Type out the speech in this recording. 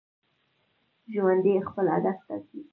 ژوندي خپل هدف ټاکي